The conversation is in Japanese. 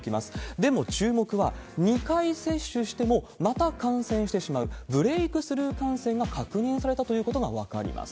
でも、注目は２回接種しても、また感染してしまう、ブレークスルー感染が確認されたということが分かります。